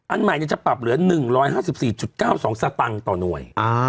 อันใหม่จะปรับเหลือ๑๕๔๙๒สตางค์ต่อหน่วย